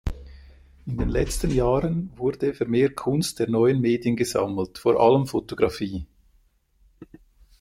In den letzten Jahren wurde vermehrt Kunst der neuen Medien gesammelt, vor allem Fotografie.